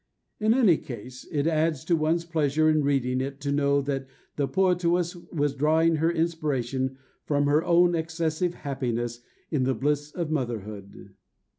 In any case, it adds to one's pleasure in reading it to know that the poetess was drawing her inspiration from her own excessive happiness in the bliss of motherhood.